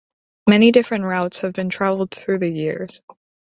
Many different routes have been travelled through the years.